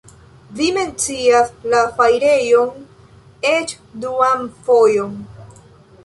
Vi mencias la fajrejon eĉ duan fojon.